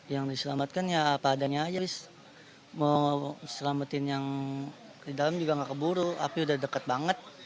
yang diselamatkan ya apa adanya aja terus mau selamatin yang di dalam juga nggak keburu api udah deket banget